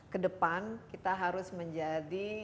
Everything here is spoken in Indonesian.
kedepan kita harus menjadi